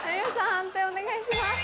判定お願いします。